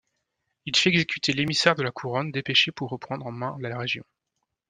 Il fit exécuter l'émissaire de la Couronne, dépêché pour reprendre en main la région.